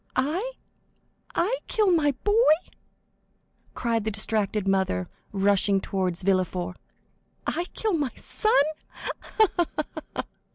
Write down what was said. "I?—I kill my boy?" cried the distracted mother, rushing toward Villefort; "I kill my son? Ha, ha, ha!"